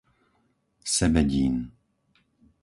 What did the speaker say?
Sebedín